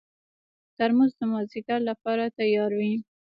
ترموز د مازدیګر لپاره تیار وي.